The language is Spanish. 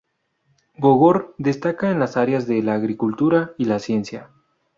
Bogor destaca en las áreas de la agricultura y la ciencia.